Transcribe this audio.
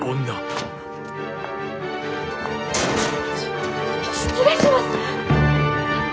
し失礼します。